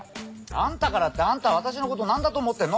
あんたからってあんた私のこと何だと思ってんの？